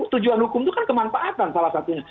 tujuan hukum itu kan kemanfaatan salah satunya